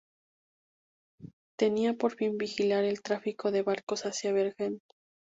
Tenía por fin vigilar el tráfico de barcos hacia Bergen.